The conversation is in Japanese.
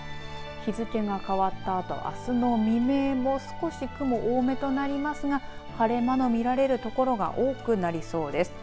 日付が変わったあと、あすの未明も少し雲多めとなりますが晴れ間の見られる所が多くなりそうです。